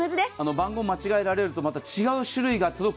番号を間違えられると、違う種類が届く